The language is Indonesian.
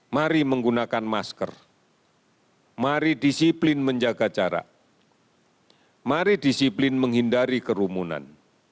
mari menggunakan masker mari disiplin menjaga jarak mari disiplin menghindari kerumunan